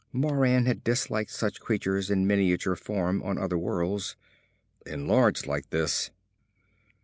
Moran had disliked such creatures in miniature form on other worlds. Enlarged like this.